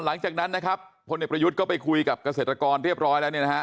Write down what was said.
หลังจากนั้นนะครับพลเอกประยุทธ์ก็ไปคุยกับเกษตรกรเรียบร้อยแล้วเนี่ยนะฮะ